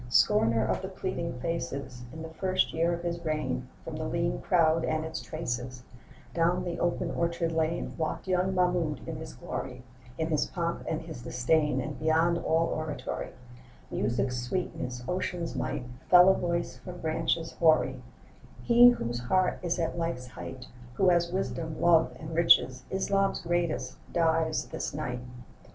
SCORNER of the pleading faces, In the first year of his reign, From the lean crowd and its traces Down the open orchard lane Walked young Mahmoud in his glory, In his pomp and his disdain And beyond all oratory, Music's sweetness, ocean's might, Fell a voice from branches hoary: 'He whose heart is at life's height, Who has wisdom, love, and riches, Islam's greatest, dies this night.